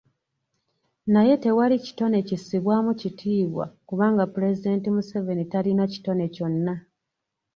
Naye tewali kitone kissibwamu kitiibwa kubanga Pulezidenti Museveni talina kitone kyonna.